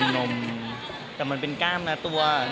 นมแต่มันเป็นก้ามนะตัว